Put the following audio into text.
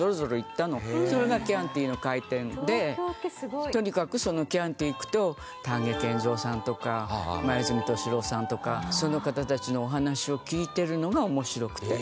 それがキャンティの開店でとにかくそのキャンティへ行くと丹下健三さんとか黛敏郎さんとかその方たちのお話を聞いてるのが面白くて。